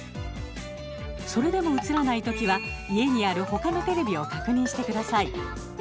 それでも映らないときは家にあるほかのテレビを確認してください。